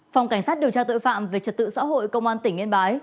phòng cảnh sát điều tra tội phạm về trật tự xã hội công an tỉnh yên bái